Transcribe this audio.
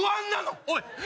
おい！